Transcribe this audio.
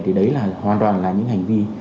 thì đấy là hoàn toàn là những hành vi